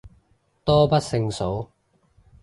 多不勝數